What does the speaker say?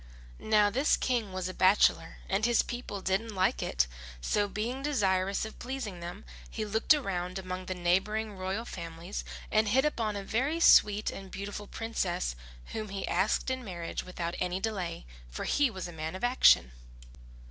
Now this King was a bachelor and his people didn't like it; so being desirous of pleasing them, he looked around among the neighbouring royal families and hit upon a very sweet and beautiful princess, whom he asked in marriage without any delay, for he was a man of action.